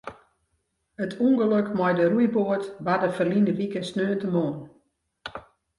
It ûngelok mei de roeiboat barde ferline wike sneontemoarn.